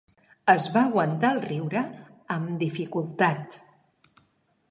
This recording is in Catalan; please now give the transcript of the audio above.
Es va aguantar el riure amb dificultat.